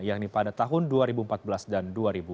yang ini pada tahun dua ribu empat belas dan dua ribu enam belas